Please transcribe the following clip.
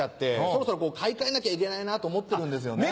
そろそろ買い替えなきゃいけないなと思ってるんですよね。